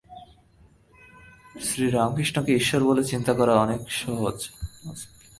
শ্রীরামকৃষ্ণকে ঈশ্বর বলে চিন্তা করা অনেক সহজ।